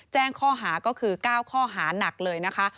แจ้งข้อหาก็คือ๙ข้อหานักเลยนะคะ